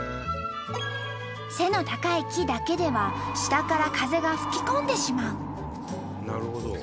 背の高い木だけでは下から風が吹き込んでしまう。